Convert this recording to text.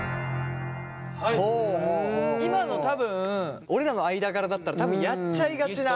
今の多分俺らの間柄だったら多分やっちゃいがちな。